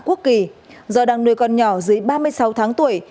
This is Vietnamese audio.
quốc kỳ do đang nuôi con nhỏ dưới ba mươi sáu tháng tuổi